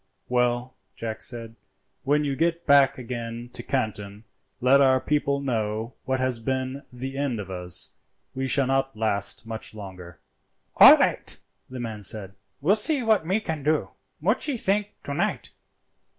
"Well," Jack said, "when you get back again to Canton let our people know what has been the end of us; we shall not last much longer." "All light," the man said, "will see what me can do. Muchee think to night!"